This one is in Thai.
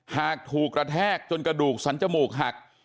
หากถูกกระแทกจนกระดูกสันจมูกหัก